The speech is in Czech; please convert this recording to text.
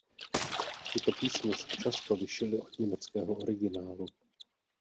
Tyto písně se často lišily od německého originálu.